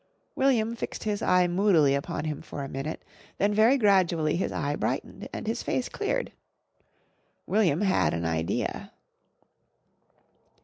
William fixed his eye moodily upon him for a minute, then very gradually his eye brightened and his face cleared. William had an idea.